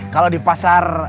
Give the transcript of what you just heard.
kalau di pasar